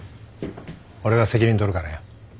俺が責任取るからよ。